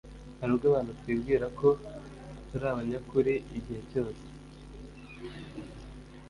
hari ubwo abantu twibwira ko turiabanyakuri igihe cyose